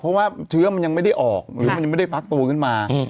เพราะว่าเชื้อมันยังไม่ได้ออกหรือมันยังไม่ได้ฟักตัวขึ้นมา